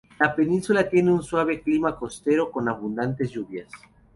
La península tiene un suave clima costero, con abundantes lluvias.